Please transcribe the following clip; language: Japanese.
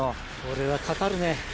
これはかかるね。